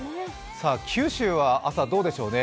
九州は朝、どうでしょうね。